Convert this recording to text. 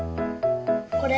これ。